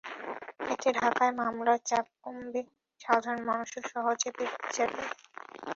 এতে ঢাকায় মামলার চাপ যেমন কমবে, সাধারণ মানুষও সহজে বিচার পাবে।